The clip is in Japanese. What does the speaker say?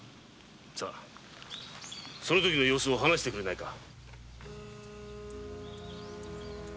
その時の様子を詳しく話してくれないか。